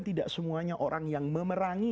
tidak semuanya orang yang memerangi